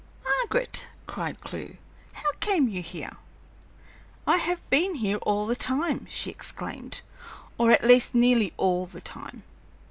"Margaret!" cried Clewe, "how came you here?" "I have been here all the time," she exclaimed; "or, at least, nearly all the time."